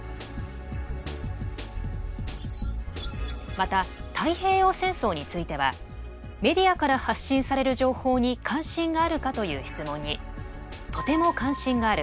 また太平洋戦争についてはメディアから発信される情報に関心があるかという質問に「とても関心がある」